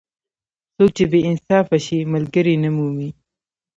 څوک چې بې انصافه شي؛ ملګری نه مومي.